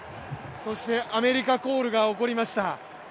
アメリカコールが起こりました。